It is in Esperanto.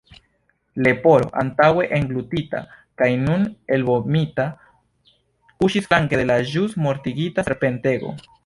Leporo, antaŭe englutita kaj nun elvomita, kuŝis flanke de la ĵus mortigita serpentego.